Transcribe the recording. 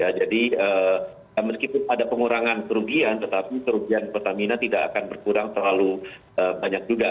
ya jadi meskipun ada pengurangan kerugian tetapi kerugian pertamina tidak akan berkurang terlalu banyak juga